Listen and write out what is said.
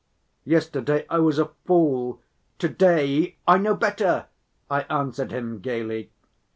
"Yesterday I was a fool, to‐day I know better," I answered him gayly.